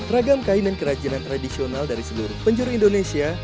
ragam kain dan kerajinan tradisional dari seluruh penjuru indonesia